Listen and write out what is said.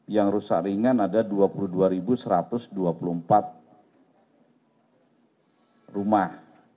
yang rusak ringan ada dua puluh dua satu ratus dua puluh empat rumah